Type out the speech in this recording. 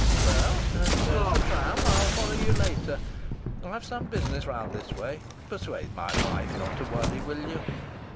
"Well, there's the tram. I'll follow you later. I've some business round this way. Persuade my wife not to worry, will you?"